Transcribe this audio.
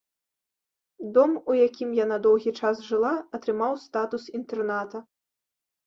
Дом, у якім яна доўгі час жыла, атрымаў статус інтэрната.